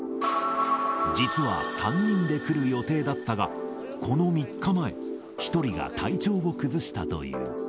実は３人で来る予定だったが、この３日前、１人が体調を崩したという。